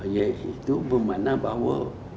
yaitu bermakna bahwa